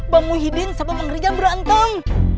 bang muhidin sama pangerja berantem